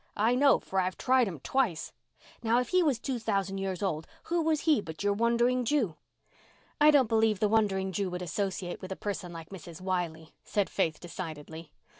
I know, for I've tried them twice.' Now, if he was two thousand years old who was he but your Wandering Jew?" "I don't believe the Wandering Jew would associate with a person like Mrs. Wiley," said Faith decidedly.